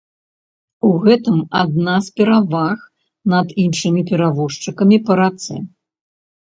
У гэтым адна з пераваг над іншымі перавозчыкамі па рацэ.